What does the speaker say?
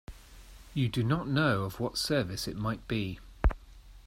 You do not know of what service it might be.